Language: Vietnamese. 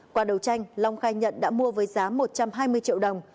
qua đầu tranh long khai nhận đã mua với giá một trăm hai mươi triệu đồng